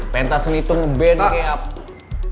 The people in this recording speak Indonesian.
penta seni tuh ngeband kayak apa